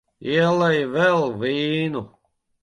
Ielej vēl vīnu.